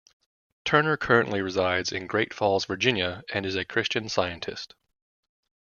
Turner currently resides in Great Falls, Virginia, and is a Christian Scientist.